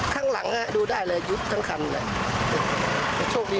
ข้างหลังฮะดูได้เลยยุบทั้งคันเลยโชคดี